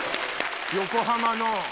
横浜の。